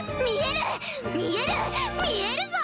見える！